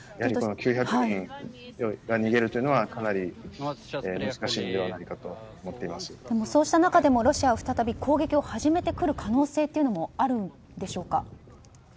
９００人が逃げるというのはかなり難しいのではないかとそうした中でもロシアは再び攻撃を始めてくる可能性もあるんでしょうか。